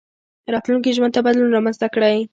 راتلونکي ژوند ته بدلون رامنځته کړئ.